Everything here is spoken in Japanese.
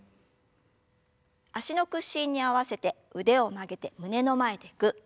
脚の屈伸に合わせて腕を曲げて胸の前でぐっ。